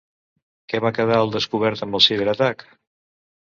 Què va quedar al descobert amb el ciberatac?